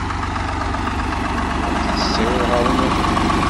Ad k-tessiweḍ ɣer unafag.